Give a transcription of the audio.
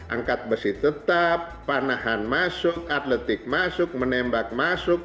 angkat besi tetap panahan masuk atletik masuk menembak masuk